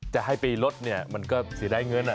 จะให้ไปลดมันก็เสียได้เงิน